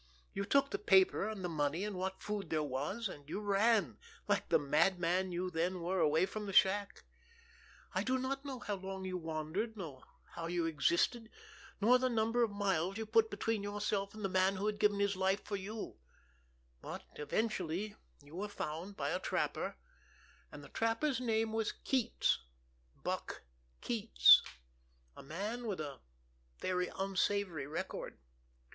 You took the paper and the money and what food there was, and you ran, like the madman you then were, away from the shack. I do not know how long you wandered, nor how you existed, nor the number of miles you put between yourself and the man who had given his life for you; but eventually you were found by a trapper, and the trapper's name was Keats, Buck Keats, a man with a very unsavory record.